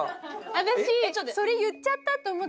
私それ言っちゃったと思って。